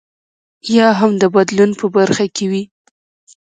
یا هم د بدلون په برخه کې وي.